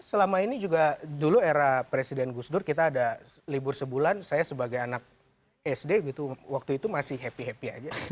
selama ini juga dulu era presiden gus dur kita ada libur sebulan saya sebagai anak sd gitu waktu itu masih happy happy aja